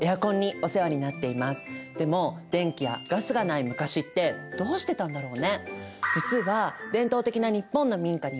でも電気やガスがない昔ってどうしてたんだろうね？